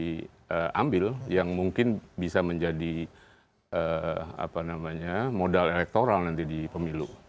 yang diambil yang mungkin bisa menjadi modal elektoral nanti di pemilu